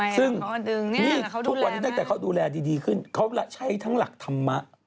ซึ่งนี่ทุกวันนี้ตั้งแต่เขาดูแลดีขึ้นเขาใช้ทั้งหลักธรรมะ